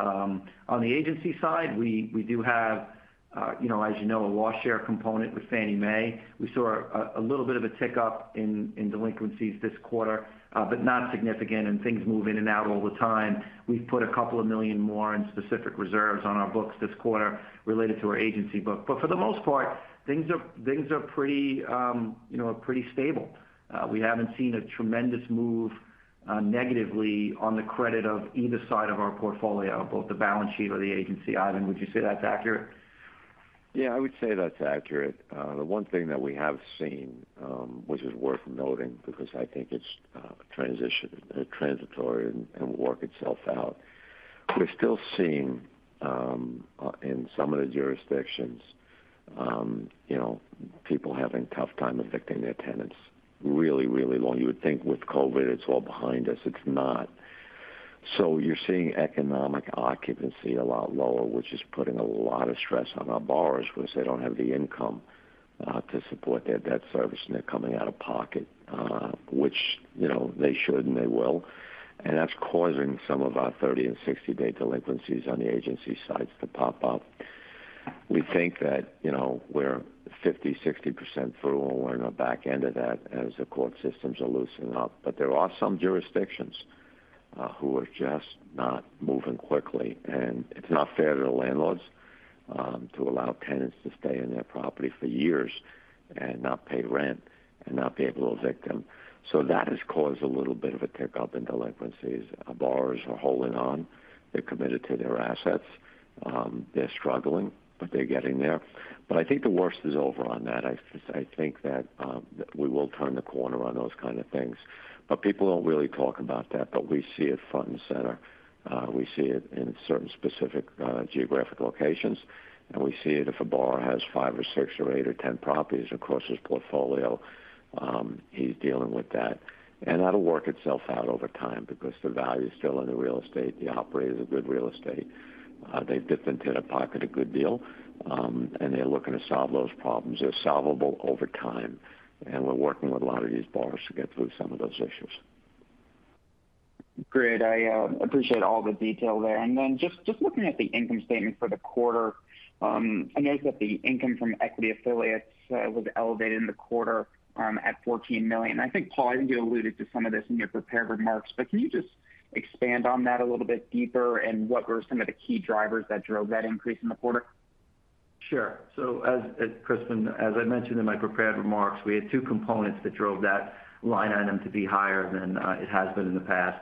On the agency side, we do have, you know, as you know, a loss share component with Fannie Mae. We saw a little bit of a tick up in delinquencies this quarter, but not significant. Things move in and out all the time. We've put $2 million more in specific reserves on our books this quarter related to our agency book. For the most part, things are pretty, you know, pretty stable. We haven't seen a tremendous move, negatively on the credit of either side of our portfolio, both the balance sheet or the agency. Ivan, would you say that's accurate? I would say that's accurate. The one thing that we have seen, which is worth noting because I think it's transitory and will work itself out. We're still seeing, in some of the jurisdictions, you know, people having a tough time evicting their tenants really, really long. You would think with COVID, it's all behind us. It's not. You're seeing economic occupancy a lot lower, which is putting a lot of stress on our borrowers because they don't have the income to support their debt service, and they're coming out of pocket, which, you know, they should and they will. That's causing some of our 30 and 60-day delinquencies on the agency sides to pop up. We think that, you know, we're 50%, 60% through and we're in the back end of that as the court systems are loosening up. There are some jurisdictions, who are just not moving quickly, and it's not fair to the landlords. To allow tenants to stay in their property for years and not pay rent and not be able to evict them. That has caused a little bit of a tick-up in delinquencies. Borrowers are holding on. They're committed to their assets. They're struggling, but they're getting there. I think the worst is over on that. I think that, we will turn the corner on those kind of things. People don't really talk about that, but we see it front and center. We see it in certain specific geographic locations, and we see it if a borrower has five or six or eight or 10 properties across his portfolio, he's dealing with that. That'll work itself out over time because the value is still in the real estate. The operator is a good real estate. They've dipped into their pocket a good deal, and they're looking to solve those problems. They're solvable over time. We're working with a lot of these borrowers to get through some of those issues. Great. I appreciate all the detail there. Just looking at the income statement for the quarter, I know that the income from equity affiliates was elevated in the quarter at $14 million. I think, Paul, you alluded to some of this in your prepared remarks, but can you just expand on that a little bit deeper and what were some of the key drivers that drove that increase in the quarter? Sure. As Crispin, as I mentioned in my prepared remarks, we had two components that drove that line item to be higher than it has been in the past.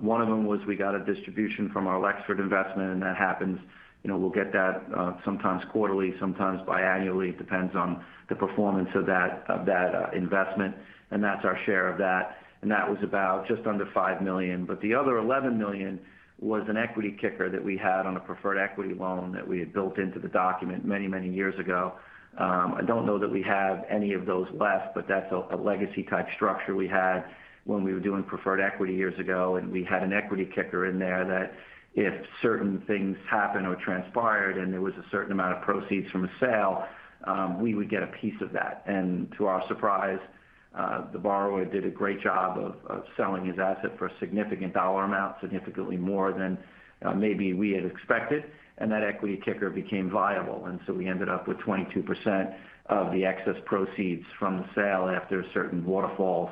One of them was we got a distribution from our Lexford investment, and that happens. You know, we'll get that sometimes quarterly, sometimes biannually. It depends on the performance of that investment, and that's our share of that. That was about just under $5 million. The other $11 million was an equity kicker that we had on a preferred equity loan that we had built into the document many, many years ago. I don't know that we have any of those left, but that's a legacy type structure we had when we were doing preferred equity years ago. We had an equity kicker in there that if certain things happened or transpired and there was a certain amount of proceeds from a sale, we would get a piece of that. To our surprise, the borrower did a great job of selling his asset for a significant dollar amount, significantly more than maybe we had expected, and that equity kicker became viable. We ended up with 22% of the excess proceeds from the sale after certain waterfalls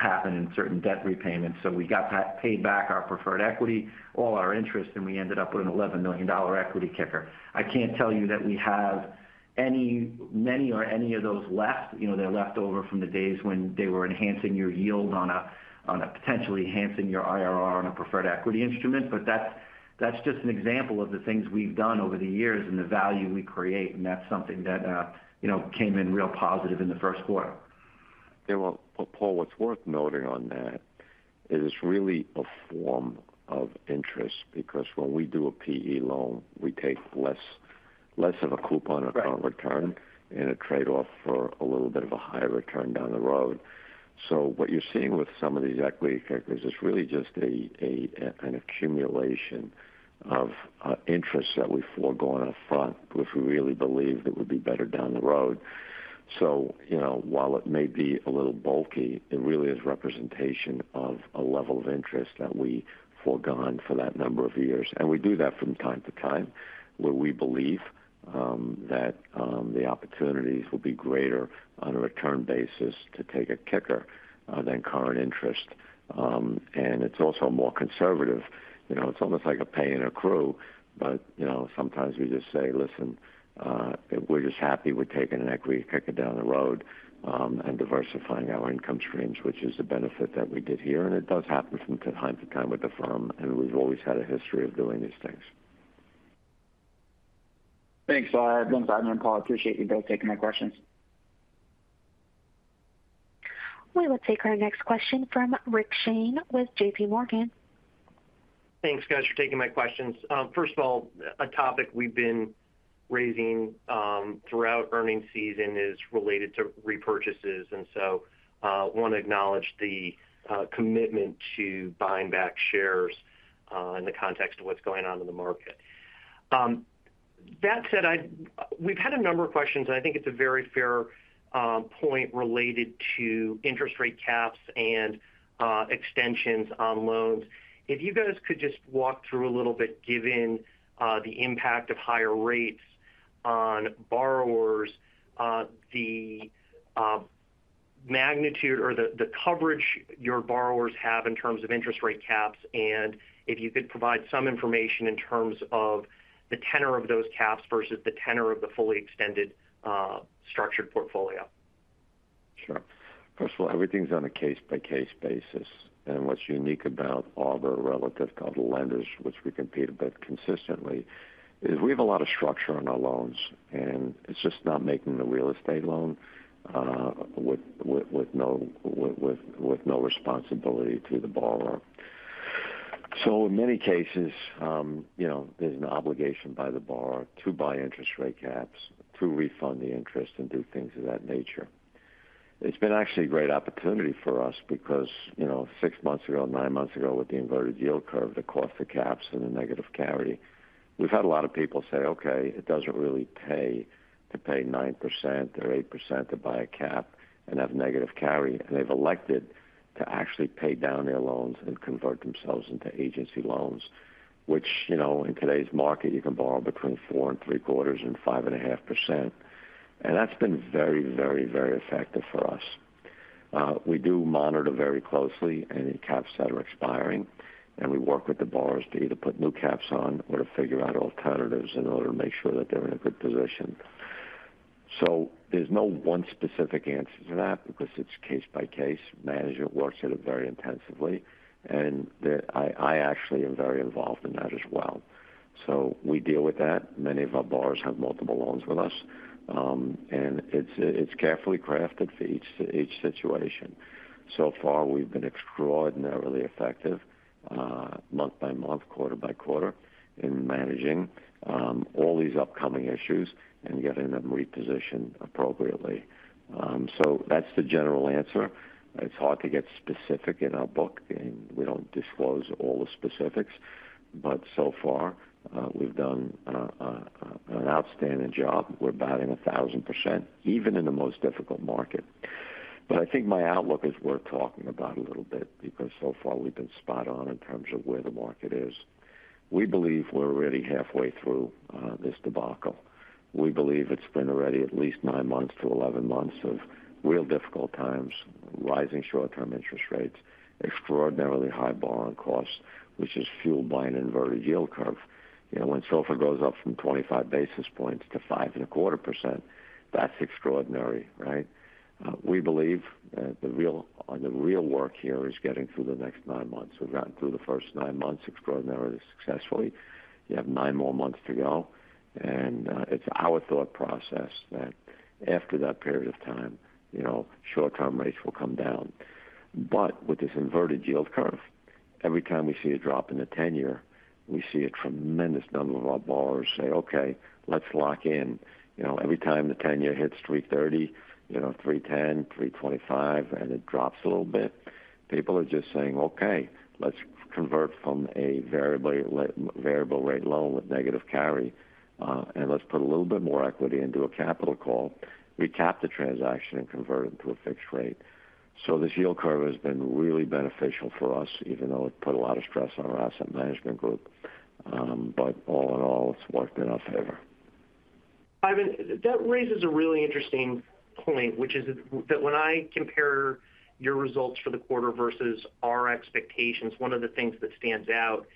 happened and certain debt repayments. We got paid back our preferred equity, all our interest, and we ended up with an $11 million equity kicker. I can't tell you that we have many or any of those left. You know, they're left over from the days when they were enhancing your yield on a, on a potentially enhancing your IRR on a preferred equity instrument. That's just an example of the things we've done over the years and the value we create, and that's something that, you know, came in real positive in the first quarter. Yeah. Well, Paul, what's worth noting on that is it's really a form of interest because when we do a PE loan, we take less of a coupon upon return- Right in a trade-off for a little bit of a higher return down the road. What you're seeing with some of these equity characteristics is really just an accumulation of interest that we forego on a front, which we really believe that would be better down the road. You know, while it may be a little bulky, it really is representation of a level of interest that we forgone for that number of years. We do that from time to time, where we believe that the opportunities will be greater on a return basis to take a kicker than current interest. It's also more conservative. You know, it's almost like a pay and accrue, but, you know, sometimes we just say, "Listen, we're just happy with taking an equity kicker down the road, and diversifying our income streams," which is the benefit that we did here. It does happen from time to time with the firm, and we've always had a history of doing these things. Thanks, Ivan and Paul. I appreciate you both taking my questions. We will take our next question from Rick Shane with JP Morgan. Thanks, guys, for taking my questions. First of all, a topic we've been raising, throughout earnings season is related to repurchases. So, want to acknowledge the commitment to buying back shares, in the context of what's going on in the market. That said, we've had a number of questions, and I think it's a very fair point related to interest rate caps and extensions on loans. If you guys could just walk through a little bit, given the impact of higher rates on borrowers, the magnitude or the coverage your borrowers have in terms of interest rate caps, and if you could provide some information in terms of the tenor of those caps versus the tenor of the fully extended, structured portfolio. Sure. First of all, everything's on a case-by-case basis. What's unique about all the relative called lenders, which we compete a bit consistently, is we have a lot of structure on our loans, it's just not making the real estate loan with no responsibility to the borrower. In many cases, you know, there's an obligation by the borrower to buy interest rate caps, to refund the interest and do things of that nature. It's been actually a great opportunity for us because, you know, six months ago, nine months ago with the inverted yield curve, the cost of caps and the negative carry. We've had a lot of people say, "Okay, it doesn't really pay to pay 9% or 8% to buy a cap and have negative carry." They've elected to actually pay down their loans and convert themselves into agency loans, which, you know, in today's market, you can borrow between 4.75%-5.5%. That's been very effective for us. We do monitor very closely any caps that are expiring, and we work with the borrowers to either put new caps on or to figure out alternatives in order to make sure that they're in a good position. There's no one specific answer to that because it's case by case. Management works at it very intensively, and I actually am very involved in that as well. We deal with that. Many of our borrowers have multiple loans with us. It's carefully crafted for each situation. So far, we've been extraordinarily effective, month by month, quarter by quarter in managing, all these upcoming issues and getting them repositioned appropriately. That's the general answer. It's hard to get specific in our book, and we don't disclose all the specifics. So far, we've done an outstanding job. We're batting 1,000% even in the most difficult market. I think my outlook is worth talking about a little bit because so far we've been spot on in terms of where the market is. We believe we're already halfway through this debacle. We believe it's been already at least nine months to 11 months of real difficult times, rising short-term interest rates, extraordinarily high borrowing costs, which is fueled by an inverted yield curve. You know, when SOFR goes up from 25 basis points to 5.25%, that's extraordinary, right? We believe that the real work here is getting through the next nine months. We've gotten through the first nine months extraordinarily successfully. You have nine re months to go. It's our thought process that after that period of time, you know, short-term rates will come down. With this inverted yield curve, every time we see a drop in the 10-year, we see a tremendous number of our borrowers say, "Okay, let's lock in." You know, every time the 10-year hits 3.30, you know, 3.10, 3.25, and it drops a little bit, people are just saying, "Okay, let's convert from a variable rate loan with negative carry, and let's put a little bit more equity into a capital call. Recap the transaction and convert it to a fixed rate." This yield curve has been really beneficial for us, even though it put a lot of stress on our asset management group. All in all, it's worked in our favor. Ivan, that raises a really interesting point, which is that when I compare your results for the quarter versus our expectations, one of the things that stands out is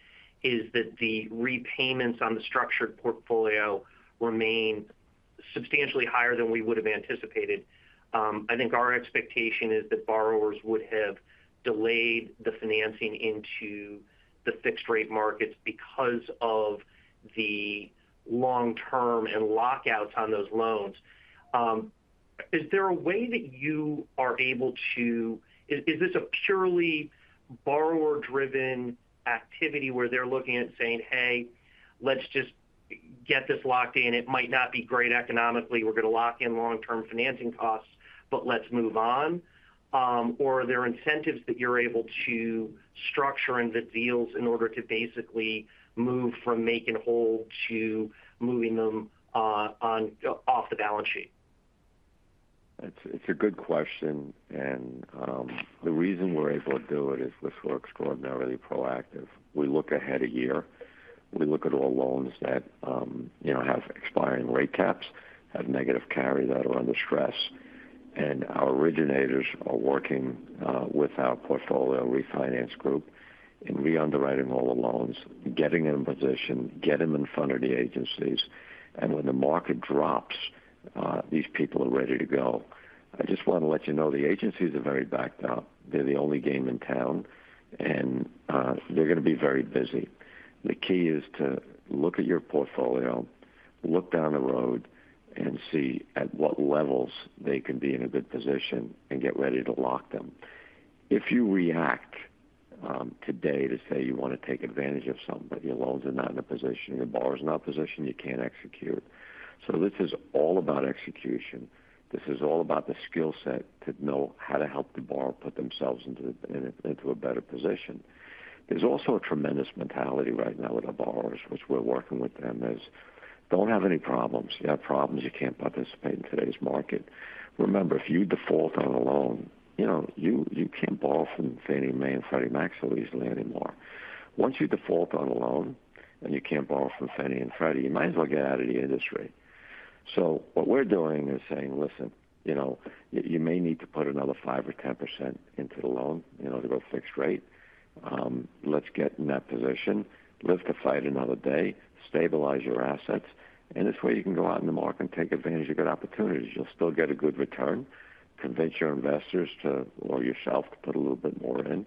that the repayments on the structured portfolio remain substantially higher than we would have anticipated. I think our expectation is that borrowers would have delayed the financing into the fixed rate markets because of the long-term and lockouts on those loans. Is this a purely borrower-driven activity where they're looking at saying, "Hey, let's just get this locked in. It might not be great economically. We're gonna lock in long-term financing costs, but let's move on." or are there incentives that you're able to structure in the deals in order to basically move from make and hold to moving them off the balance sheet? It's a good question. The reason we're able to do it is we're extraordinarily proactive. We look ahead a year. We look at all loans that, you know, have expiring rate caps, have negative carry that are under stress. Our originators are working with our portfolio refinance group and re-underwriting all the loans, getting them in position, get them in front of the agencies. When the market drops, these people are ready to go. I just want to let you know, the agencies are very backed up. They're the only game in town, they're gonna be very busy. The key is to look at your portfolio, look down the road, and see at what levels they can be in a good position and get ready to lock them. If you react today to say you wanna take advantage of something, but your loans are not in a position, your borrower is not in a position, you can't execute. This is all about execution. This is all about the skill set to know how to help the borrower put themselves into a better position. There's also a tremendous mentality right now with our borrowers, which we're working with them, is don't have any problems. You have problems, you can't participate in today's market. Remember, if you default on a loan, you know, you can't borrow from Fannie Mae and Freddie Mac so easily anymore. Once you default on a loan and you can't borrow from Fannie and Freddie, you might as well get out of the industry. What we're doing is saying, "Listen, you know, you may need to put another 5% or 10% into the loan, you know, to go fixed rate. Let's get in that position. Live to fight another day. Stabilize your assets, this way you can go out in the market and take advantage of good opportunities. You'll still get a good return. Convince your investors to, or yourself to put a little bit more in."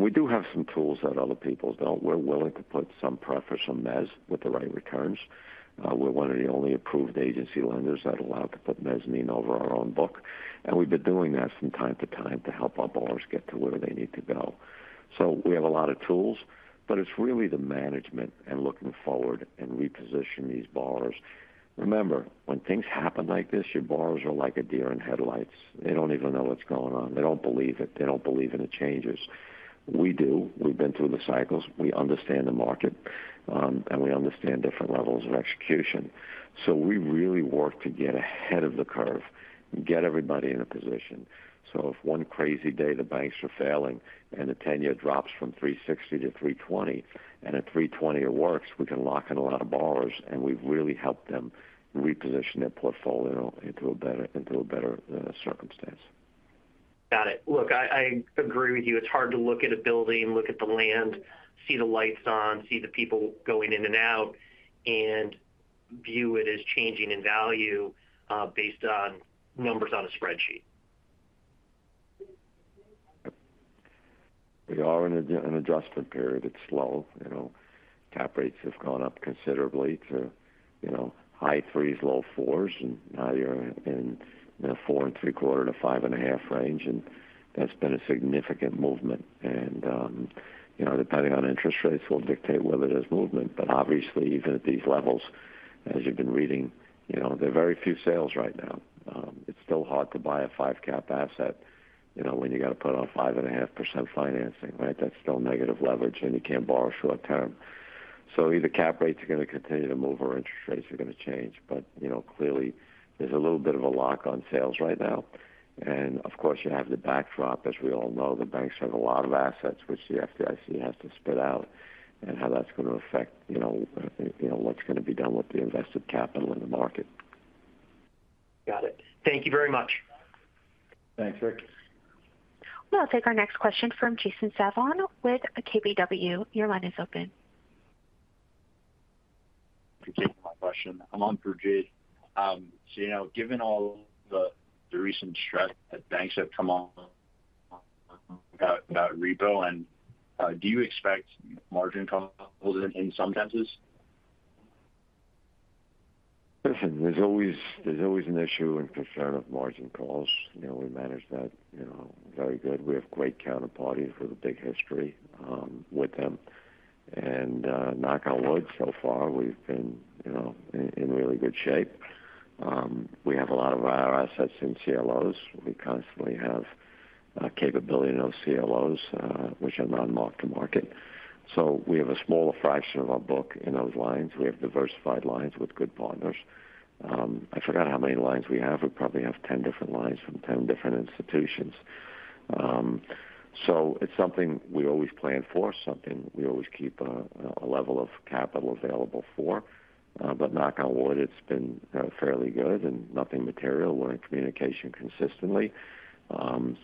We do have some tools that other people don't. We're willing to put some preferred, some mezz with the right returns. We're one of the only approved agency lenders that are allowed to put mezzanine over our own book, and we've been doing that from time to time to help our borrowers get to where they need to go. We have a lot of tools, but it's really the management and looking forward and repositioning these borrowers. Remember, when things happen like this, your borrowers are like a deer in headlights. They don't even know what's going on. They don't believe it. They don't believe in the changes. We do. We've been through the cycles. We understand the market, and we understand different levels of execution. We really work to get ahead of the curve and get everybody in a position. If one crazy day the banks are failing and the ten year drops from 360 to 320, and at 320 it works, we can lock in a lot of borrowers, and we've really helped them reposition their portfolio into a better circumstance. Got it. I agree with you. It's hard to look at a building, look at the land, see the lights on, see the people going in and out, and view it as changing in value, based on numbers on a spreadsheet. We are in an adjustment period. It's slow. You know, cap rates have gone up considerably to, you know, high 3 s, low 4 s, and now you're in the 4.75%-5.5% range. That's been a significant movement. You know, depending on interest rates will dictate whether there's movement. Obviously, even at these levels, as you've been reading, you know, there are very few sales right now. It's still hard to buy a five cap asset, you know, when you got to put on 5.5% financing, right? That's still negative leverage, and you can't borrow short term. Either cap rates are going to continue to move or interest rates are going to change. You know, clearly there's a little bit of a lock on sales right now. Of course, you have the backdrop. As we all know, the banks have a lot of assets which the FDIC has to spit out and how that's going to affect, you know, what's going to be done with the invested capital in the market. Got it. Thank you very much. Thanks, Rick. We'll take our next question from Jason Sabshon with KBW. Your line is open. For taking my question. One for Jay. you know, given all the recent stress that banks have come on about repo and do you expect margin calls in some senses? Listen, there's always an issue and concern of margin calls. You know, we manage that, you know, very good. We have great counterparties with a big history with them. Knock on wood, so far we've been, you know, in really good shape. We have a lot of our assets in CLOs. We constantly have capability in those CLOs, which are non-mark-to-market. We have a smaller fraction of our book in those lines. We have diversified lines with good partners. I forgot how many lines we have. We probably have 10 different lines from 10 different institutions. So it's something we always plan for, something we always keep a level of capital available for. Knock on wood, it's been fairly good and nothing material. We're in communication consistently.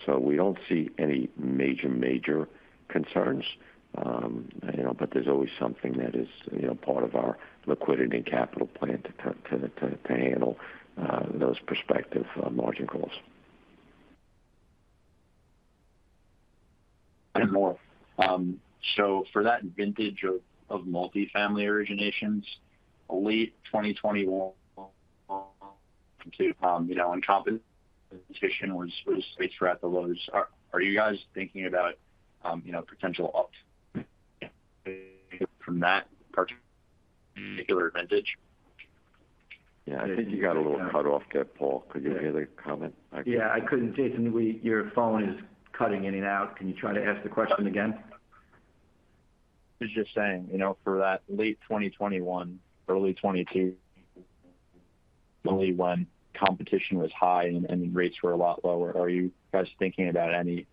We don't see any major concerns. You know, there's always something that is, you know, part of our liquidity and capital plan to handle those prospective margin calls. One more. For that vintage of multifamily originations, late 2021 complete, you know, on competition was rates were at the lows. Are you guys thinking about, you know, potential ups from that particular vintage? Yeah, I think you got a little cut off there, Paul. Could you hear the comment? Yeah, I couldn't. Jason, your phone is cutting in and out. Can you try to ask the question again? I was just saying, you know, for that late 2021, early 2022, when competition was high and rates were a lot lower, are you guys thinking about any,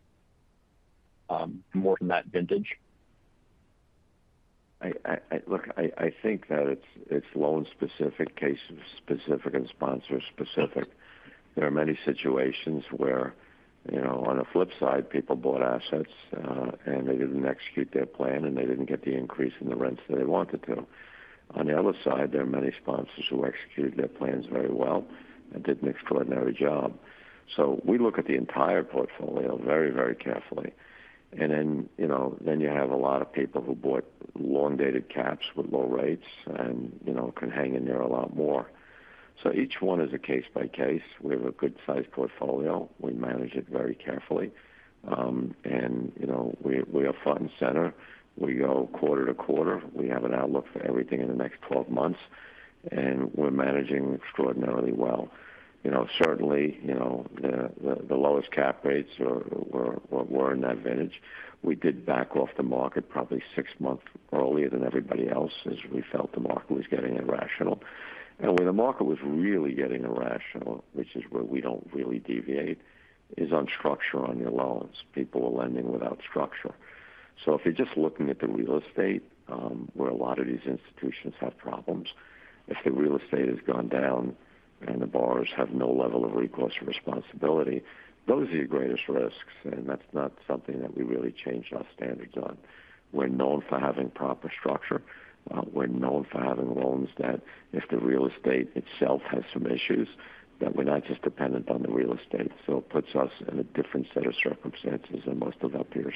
more from that vintage? I think that it's loan specific, case specific, and sponsor specific. There are many situations where, you know, on the flip side, people bought assets, and they didn't execute their plan, and they didn't get the increase in the rents that they wanted to. On the other side, there are many sponsors who executed their plans very well and did an extraordinary job. We look at the entire portfolio very, very carefully. Then, you know, then you have a lot of people who bought long-dated caps with low rates and, you know, can hang in there a lot more. Each one is a case by case. We have a good sized portfolio. We manage it very carefully. And you know, we are front and center. We go quarter to quarter. We have an outlook for everything in the next 12 months, we're managing extraordinarily well. You know, certainly, you know, the lowest cap rates were in that vintage. We did back off the market probably six months earlier than everybody else as we felt the market was getting irrational. Where the market was really getting irrational, which is where we don't really deviate, is on structure on your loans. People were lending without structure. If you're just looking at the real estate, where a lot of these institutions have problems, if the real estate has gone down and the borrowers have no level of recourse or responsibility, those are your greatest risks. That's not something that we really changed our standards on. We're known for having proper structure. We're known for having loans that if the real estate itself has some issues, that we're not just dependent on the real estate. It puts us in a different set of circumstances than most of our peers.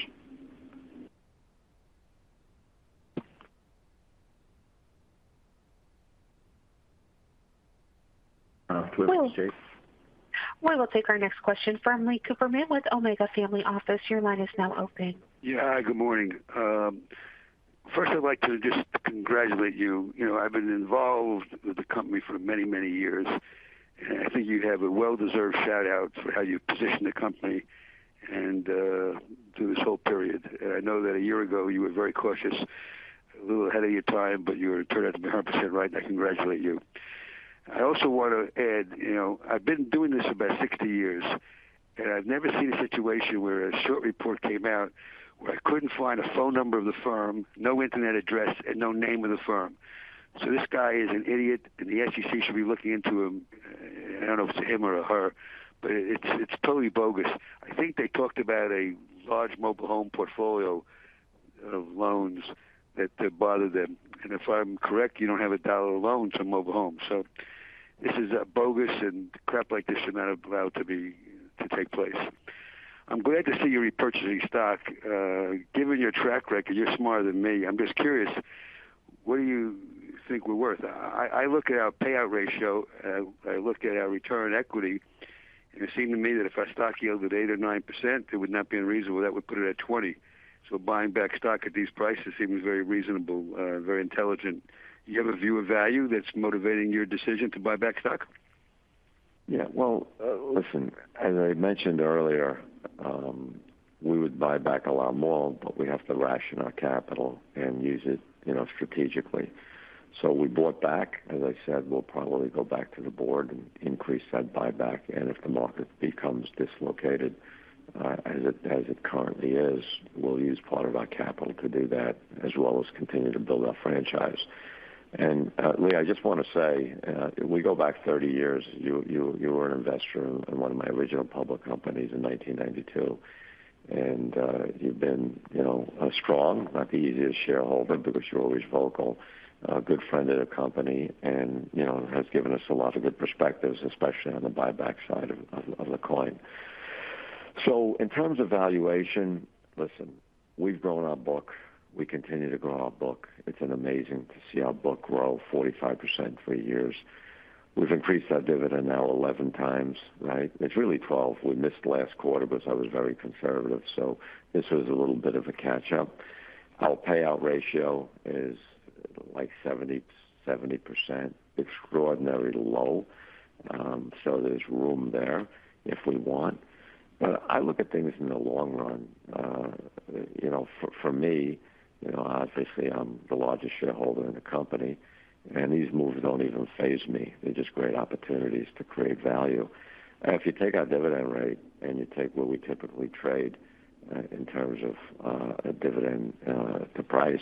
Um, We will take our next question from Lee Cooperman with Omega Family Office. Your line is now open. Good morning. First, I'd like to just congratulate you. You know, I've been involved with the company for many, many years. I think you have a well-deserved shout-out for how you positioned the company through this whole period. I know that a year ago, you were very cautious, a little ahead of your time, but you turned out to be 100% right, and I congratulate you. I also want to add, you know, I've been doing this for about 60 years, and I've never seen a situation where a short report came out where I couldn't find a phone number of the firm, no internet address, and no name of the firm. This guy is an idiot, and the SEC should be looking into him. I don't know if it's a him or a her, but it's totally bogus. I think they talked about a large mobile home portfolio of loans that bother them. If I'm correct, you don't have a $1 loan to mobile homes. This is bogus and crap like this should not allowed to take place. I'm glad to see you repurchasing stock. Given your track record, you're smarter than me. I'm just curious, what do you think we're worth? I look at our payout ratio. I look at our return equity. It seemed to me that if our stock yields at 8% or 9%, it would not be unreasonable. That would put it at 20. Buying back stock at these prices seems very reasonable, very intelligent. Do you have a view of value that's motivating your decision to buy back stock? Well, listen. As I mentioned earlier, we would buy back a lot more, but we have to ration our capital and use it, you know, strategically. We bought back. As I said, we'll probably go back to the Board and increase that buyback. If the market becomes dislocated, as it currently is, we'll use part of our capital to do that, as well as continue to build our franchise. Lee, I just wanna say, we go back 30 years. You were an investor in one of my original public companies in 1992. You've been, you know, a strong, not the easiest shareholder because you're always vocal. A good friend of the company and, you know, has given us a lot of good perspectives, especially on the buyback side of the coin. In terms of valuation, listen, we've grown our book. We continue to grow our book. It's been amazing to see our book grow 45% three years. We've increased our dividend now 11 times, right? It's really 12. We missed last quarter because I was very conservative. This was a little bit of a catch-up. Our payout ratio is 70%. Extraordinary low, there's room there if we want. I look at things in the long run. You know, for me, you know, obviously I'm the largest shareholder in the company, these moves don't even faze me. They're just great opportunities to create value. If you take our dividend rate and you take what we typically trade in terms of a dividend to price,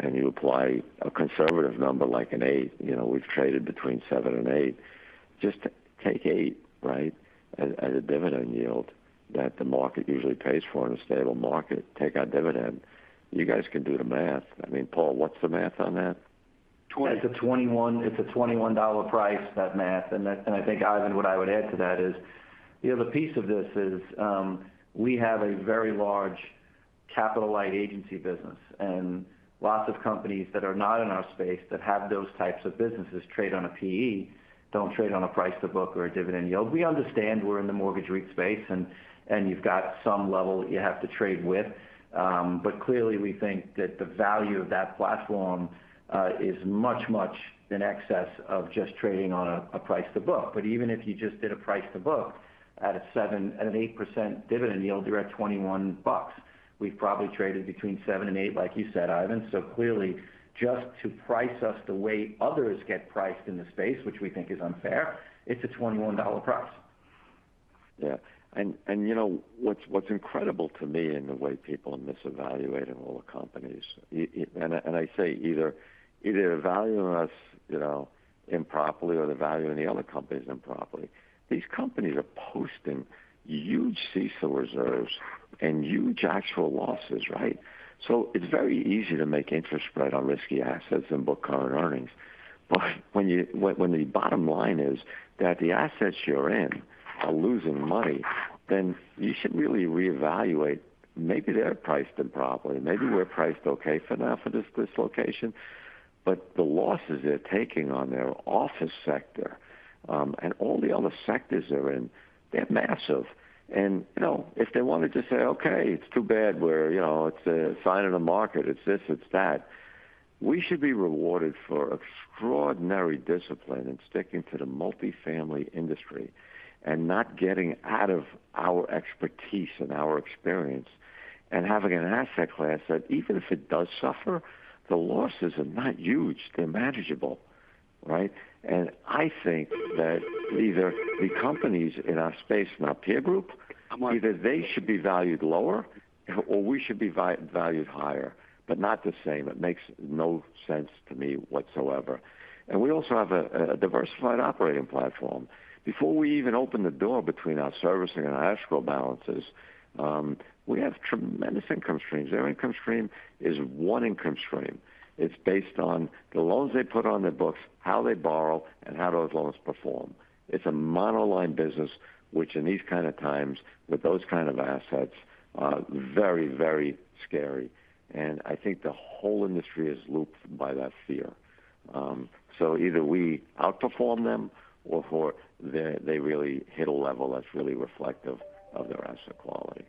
and you apply a conservative number like an eight. You know, we've traded between 7% and 8%. Just take 8%, right, as a dividend yield that the market usually pays for in a stable market. Take our dividend. You guys can do the math. I mean, Paul, what's the math on that? It's a 21. It's a $21 price, that math. I think, Ivan, what I would add to that is, you know, the piece of this is, we have a very large capital-light agency business. Lots of companies that are not in our space that have those types of businesses trade on a PE, don't trade on a price to book or a dividend yield. We understand we're in the mortgage REIT space and you've got some level you have to trade with. Clearly we think that the value of that platform is much in excess of just trading on a price to book. Even if you just did a price to book at an 8% dividend yield, you're at $21. We've probably traded between seven and eight, like you said, Ivan. Clearly, just to price us the way others get priced in the space, which we think is unfair, it's a $21 price. Yeah. you know what's incredible to me in the way people are misevaluating all the companies. I say either valuing us, you know, improperly or the value in the other company is improperly. These companies are posting huge CECL reserves and huge actual losses, right? It's very easy to make interest spread on risky assets and book current earnings. When the bottom line is that the assets you're in are losing money, you should really reevaluate. Maybe they're priced improperly. Maybe we're priced okay for now for this dislocation. The losses they're taking on their office sector, and all the other sectors they're in, they're massive. you know, if they wanted to say, "Okay, it's too bad. We're, you know, it's a sign of the market. It's this, it's that." We should be rewarded for extraordinary discipline in sticking to the multifamily industry and not getting out of our expertise and our experience and having an asset class that even if it does suffer, the losses are not huge. They're manageable, right? I think that either the companies in our space, in our peer group, either they should be valued lower or we should be valued higher. Not the same. It makes no sense to me whatsoever. We also have a diversified operating platform. Before we even open the door between our servicing and our actual balances, we have tremendous income streams. Their income stream is one income stream. It's based on the loans they put on their books, how they borrow, and how those loans perform. It's a monoline business, which in these kind of times with those kind of assets are very, very scary. I think the whole industry is looped by that fear. Either we outperform them, or they really hit a level that's really reflective of their asset quality.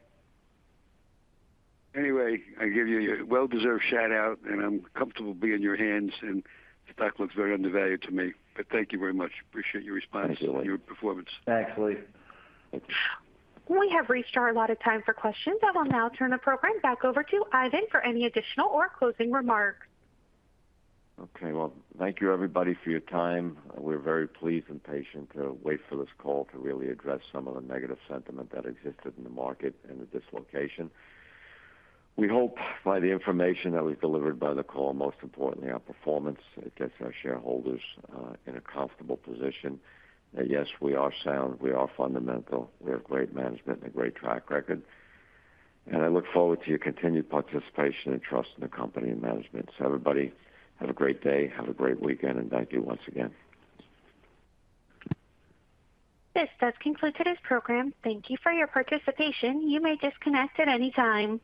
I give you a well-deserved shout-out, and I'm comfortable being in your hands, and the stock looks very undervalued to me. Thank you very much. Appreciate your response. Thank you, Lee your performance. Thanks, Lee We have reached our allotted time for questions. I will now turn the program back over to Ivan for any additional or closing remarks. Okay. Well, thank you, everybody, for your time. We're very pleased and patient to wait for this call to really address some of the negative sentiment that existed in the market and the dislocation. We hope by the information that was delivered by the call, most importantly our performance, it gets our shareholders in a comfortable position. That yes, we are sound, we are fundamental, we have great management and a great track record. I look forward to your continued participation and trust in the company and management. Everybody, have a great day, have a great weekend, and thank you once again. This does conclude today's program. Thank you for your participation. You may disconnect at any time.